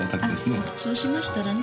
あっそうしましたらね